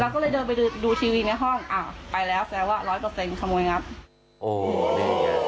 แล้วก็เลยเดินไปดูทีวีในห้องอ่ะไปแล้วแสวะ๑๐๐ขโมยงัด